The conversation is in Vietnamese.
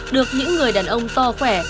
được những người đàn ông to khỏe